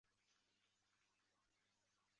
米诺斯王的妻子帕斯菲可能是塔罗斯的女儿。